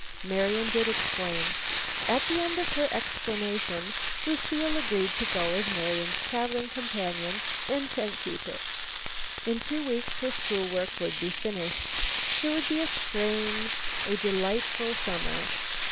Marian did explain. At the end of her explanation Lucile agreed to go as Marian's traveling companion and tent keeper. In two weeks her school work would be finished. It would be a strange, a delightful summer.